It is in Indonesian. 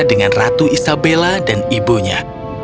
dengan ratu isabella dan ibunya